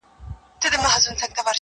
شور به ګډ په شالمار سي د زلمیو٫